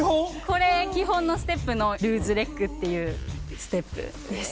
これ基本のステップのルーズレッグっていうステップです。